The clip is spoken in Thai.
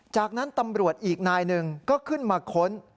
จากนั้นตำรวจอีกนายหนึ่งก็ขึ้นมาค้น